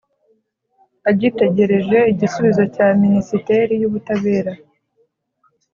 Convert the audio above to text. agitegereje igisubizo cya minisiteri y ubutabera